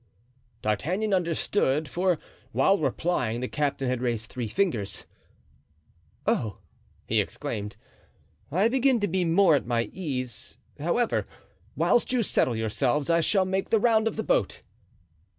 D'Artagnan understood, for while replying the captain had raised three fingers. "Oh!" he exclaimed, "I begin to be more at my ease, however, whilst you settle yourselves, I shall make the round of the boat."